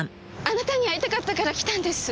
「あなたに会いたかったから来たんです」